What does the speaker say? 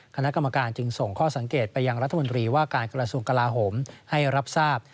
คณะกรรมการจึงส่งข้อสังเกตไปยังรัฐมนตรีว่าการกระทรวงกลาโหมให้รับทราบ